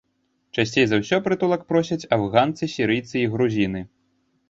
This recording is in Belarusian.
Часцей за ўсё прытулак просяць афганцы, сірыйцы і грузіны.